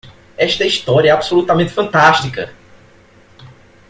Esta história é absolutamente fantástica!